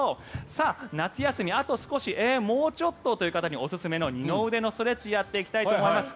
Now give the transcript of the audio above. さあ、夏休み、あと少しもうちょっとという方におすすめの、二の腕のストレッチやっていきたいと思います。